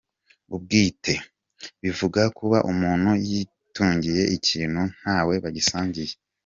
Ubwiîte : bivuga kuba umuntu yitungiye ikintu nta we bagisangiye.